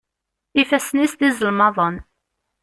Ifassen-is d izelmaḍen.